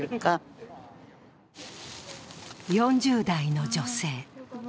４０代の女性。